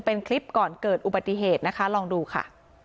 เป็นคลิปก่อนเกิดอุบัติเหตุนะคะลองดูค่ะ